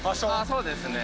そうですね。